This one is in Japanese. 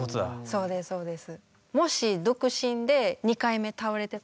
そうですそうです。